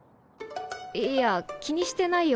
いや気にしてないよ。